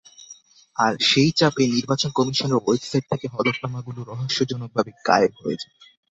আর সেই চাপে নির্বাচন কমিশনের ওয়েবসাইট থেকে হলফনামাগুলো রহস্যজনকভাবে গায়েব হয়ে যায়।